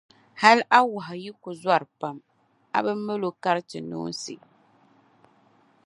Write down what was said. Hal a wɔhu yi tooi zɔri pam, a bi mal’ o kariti noonsi.